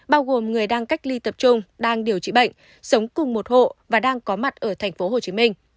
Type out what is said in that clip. bao gồm người đang cách ly tập trung đang điều trị bệnh sống cùng một hộ và đang có mặt ở tp hcm